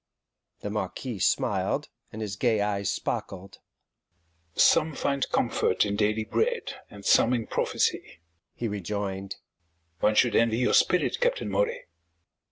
The Marquis smiled, and his gay eyes sparkled. "Some find comfort in daily bread, and some in prophecy," he rejoined. "One should envy your spirit, Captain Moray."